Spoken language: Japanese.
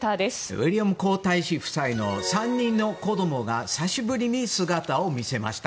ウィリアム皇太子夫妻の３人の子供が久しぶりに姿を見せました。